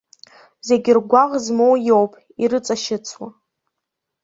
Зегь ргәаӷ змоу иоуп, ирыҵашьыцуа.